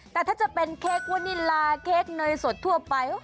แต่ถ้าจะเป็นเค้กว่านิลาเค้กเนยสดทั่วไป